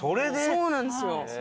そうなんですよ。